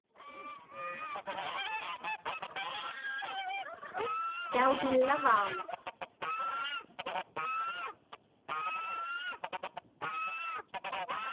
Tautullavauŋ?